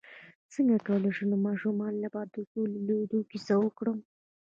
څنګه کولی شم د ماشومانو لپاره د سور لویدو کیسه وکړم